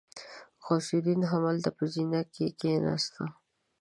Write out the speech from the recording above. غوث الدين همالته په زينه کې کېناست.